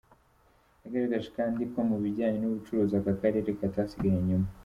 Yagaragaje kandi ko mu bijyanye n’ubucuruzi aka karere katasigaye inyuma.